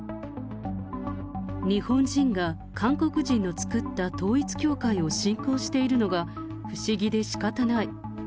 日本人が韓国人の作った統一教会を信仰しているのが不思議でしかたない。